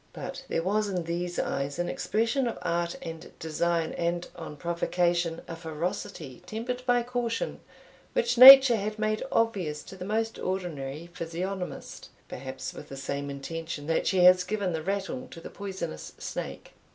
But there was in these eyes an expression of art and design, and, on provocation, a ferocity tempered by caution, which nature had made obvious to the most ordinary physiognomist, perhaps with the same intention that she has given the rattle to the poisonous snake.